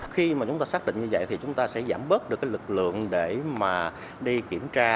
khi mà chúng ta xác định như vậy thì chúng ta sẽ giảm bớt được cái lực lượng để mà đi kiểm tra